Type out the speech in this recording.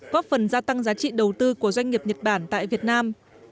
góp phần gia tăng giá trị đầu tư của doanh nghiệp nhật bản tại việt nam